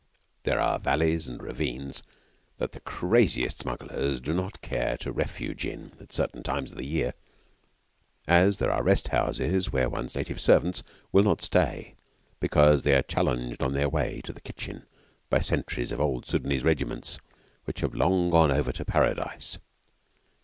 There are valleys and ravines that the craziest smugglers do not care to refuge in at certain times of the year; as there are rest houses where one's native servants will not stay because they are challenged on their way to the kitchen by sentries of old Soudanese regiments which have long gone over to Paradise.